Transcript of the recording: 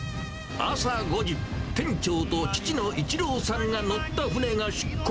朝５時、店長と父のいちろうさんが乗った船が出港。